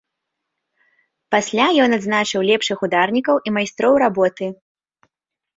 Пасля ён адзначыў лепшых ударнікаў і майстроў работы.